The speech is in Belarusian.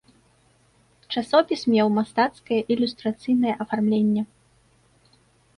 Часопіс меў мастацкае ілюстрацыйнае афармленне.